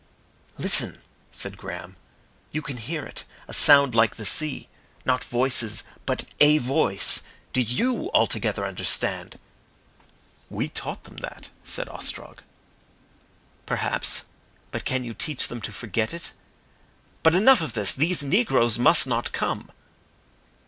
"Listen!" said Graham. "You can hear it a sound like the sea. Not voices but a voice. Do you altogether understand?" "We taught them that," said Ostrog. "Perhaps. Can you teach them to forget it? But enough of this! These negroes must not come."